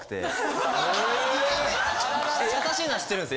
優しいのは知ってるんですよ。